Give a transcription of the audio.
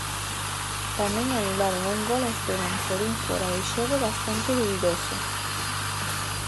Tamén anularon un gol a Esteban por un fóra de xogo bastante dubidoso.